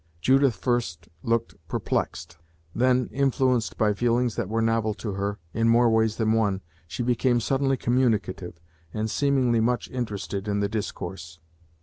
Judith first looked perplexed; then, influenced by feelings that were novel to her, in more ways than one, she became suddenly communicative, and seemingly much interested in the discourse.